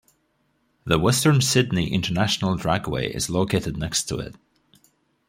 The Western Sydney International Dragway is located next to it.